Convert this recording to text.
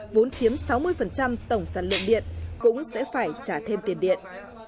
vốn chiếm sáu mươi tổng sản lượng điện cũng sẽ phải trả thêm tiền điện